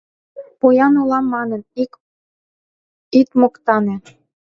Поян улам манын, ит моктане